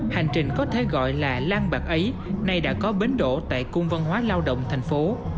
hành trình có thể gọi là lang bạc ấy nay đã có bến đổ tại cung văn hóa lao động thành phố